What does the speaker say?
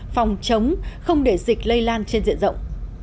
phòng chống không để dịch lây lan trên diện rộng